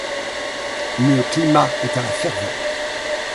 Le climat est à la ferveur.